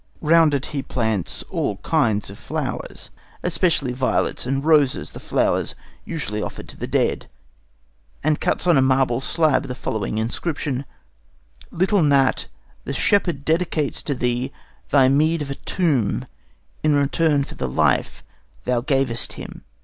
Round it he plants all kinds of flowers, especially violets and roses, the flowers usually offered to the dead, and cuts on a marble slab the following inscription: "Little gnat, the shepherd dedicates to thee thy meed of a tomb in return for the life thou gavest him."